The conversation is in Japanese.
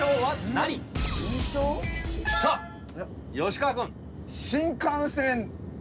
さあ吉川君！